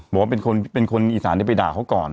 บอกว่าเป็นคนอีสานไปด่าเขาก่อน